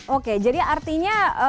oke jadi artinya